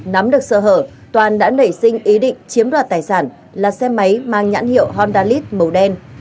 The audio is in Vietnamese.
nắm được sợ hở toàn đã nảy sinh ý định chiếm đoạt tài sản là xe máy mang nhãn hiệu honda lease màu đen